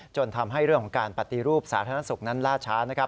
ทำให้เรื่องของการปฏิรูปสาธารณสุขนั้นล่าช้านะครับ